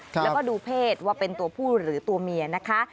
แล้วก็ดูเพศว่าเป็นตัวผู้หรือตัวเมียนะคะ